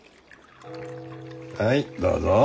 はいどうぞ。